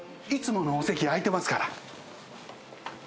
いつものお席空いてますから。